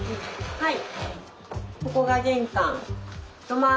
はい。